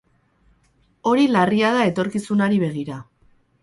Hori larria da etorkizunari begira.